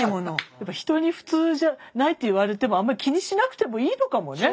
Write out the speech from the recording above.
やっぱ人に「普通じゃない」って言われてもあんまり気にしなくてもいいのかもね。